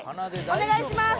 お願いします。